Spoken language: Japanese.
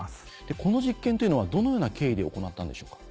この実験というのはどのような経緯で行ったんでしょうか？